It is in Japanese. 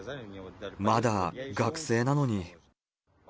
まだ学生なのに。